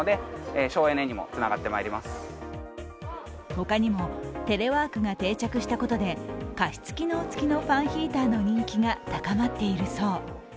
他にもテレワークが定着したことで加湿機能付きのファンヒーターの人気が高まっているそう。